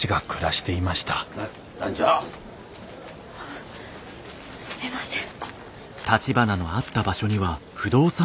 すみません。